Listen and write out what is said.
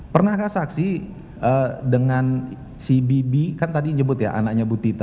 pernahkah saksi dengan si bibi kan tadi nyebut ya anaknya butita